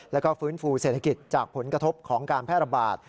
แล้วก็ฟื้นฟูเศรษฐกิจจากผลกระทบของการแพร่ระบาด